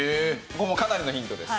もうかなりのヒントです。